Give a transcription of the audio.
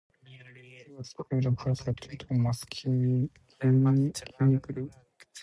He was the elder brother to Thomas Killigrew.